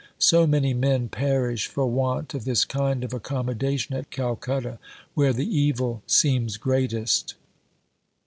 So many men perish for want of this kind of accommodation at Calcutta, where the evil seems greatest.